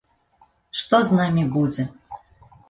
Што з намі будзе?